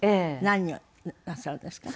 何をなさるんですか？